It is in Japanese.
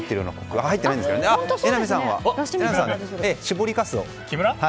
榎並さんには搾りかすを。